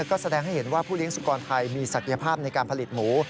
ก็แสดงให้เห็นว่าผู้เลี้ยสุกรไทยมีศักยภาพในการผลิตหมู